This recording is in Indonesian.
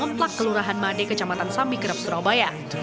memplak kelurahan made kecamatan sambikrab surabaya